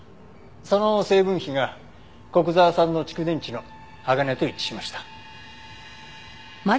その成分比が古久沢さんの蓄電池の鋼と一致しました。